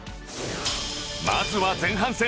まずは前半戦